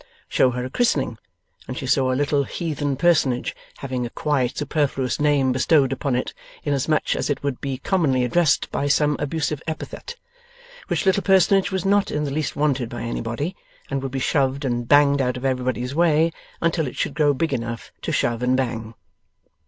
Show her a Christening, and she saw a little heathen personage having a quite superfluous name bestowed upon it, inasmuch as it would be commonly addressed by some abusive epithet: which little personage was not in the least wanted by anybody, and would be shoved and banged out of everybody's way, until it should grow big enough to shove and bang.